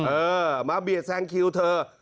เออมาเบียดแซงคิวเธอ